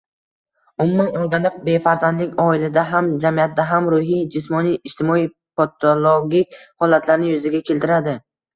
Umuman olganda, befarzandlik oilada ham, jamiyatda ham ruhiy, jismoniy, ijtimoiy patologik holatlarni yuzaga keltiradi.